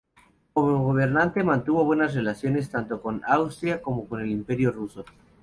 Como gobernante mantuvo buenas relaciones tanto con Austria como con el Imperio ruso.